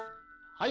はい！